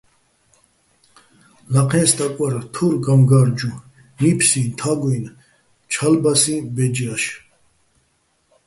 ლაჴეჼ სტაკ ვარ, თურ გამგა́რჯუჼ, ნიფსიჼ, თაგუჲნი̆, ჩა́ლბასიჼ ბეჯ ჲაშ.